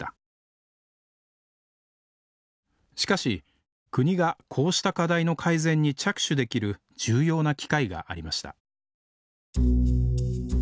しかし国がこうした課題の改善に着手できる重要な機会がありました